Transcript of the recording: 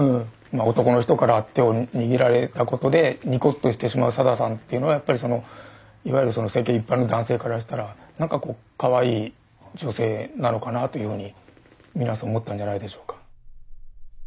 男の人から手を握られたことでニコッとしてしまう定さんっていうのはやっぱりそのいわゆる世間一般の男性からしたらなんかこうかわいい女性なのかなというように皆さん思ったんじゃないでしょうか。